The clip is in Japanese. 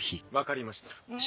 分かりました。